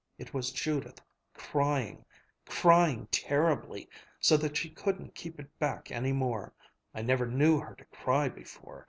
It was Judith crying, crying terribly, so that she couldn't keep it back any more. I never knew her to cry before.